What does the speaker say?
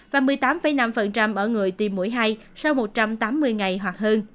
và một mươi tám năm ở người tiêm mũi hai sau một trăm tám mươi ngày hoặc hơn